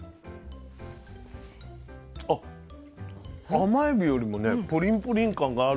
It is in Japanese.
甘エビよりもねプリンプリン感がある。